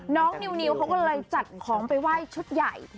น้องนิวนิวเขาก็ได้จัดของไปไหว้ชุดใหญ่